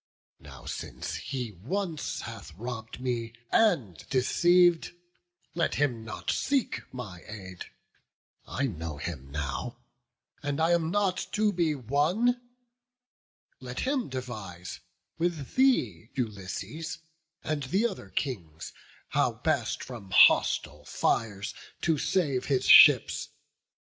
Now, since he once hath robb'd me, and deceiv'd, Let him not seek my aid; I know him now, And am not to be won; let him devise, With thee, Ulysses, and the other Kings, How best from hostile fires to save his ships.